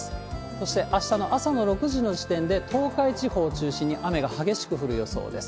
そしてあしたの朝６時の時点で東海地方を中心に雨が激しく降る予想です。